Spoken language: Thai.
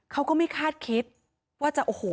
เขาก็ไม่คาดคิดว่าจะโอ้โห